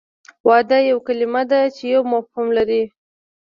واده یوه کلمه ده چې یو مفهوم لري